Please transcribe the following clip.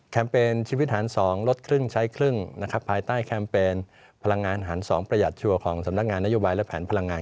เปญชีวิตหาร๒ลดครึ่งใช้ครึ่งนะครับภายใต้แคมเปญพลังงานหาร๒ประหัดชัวร์ของสำนักงานนโยบายและแผนพลังงาน